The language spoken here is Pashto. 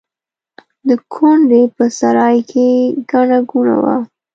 د کونډې په سرای کې ګڼه ګوڼه وه.